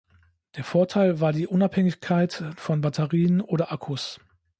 Der Vorteil war die Unabhängigkeit von Batterien oder Akkus.